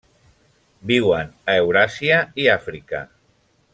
Viuen a Euràsia i Àfrica.